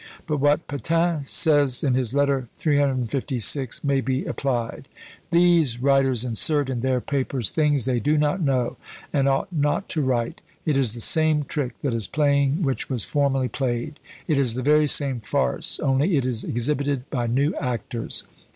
But what Patin says in his Letter 356 may be applied: "These writers insert in their papers things they do not know, and ought not to write. It is the same trick that is playing which was formerly played; it is the very same farce, only it is exhibited by new actors.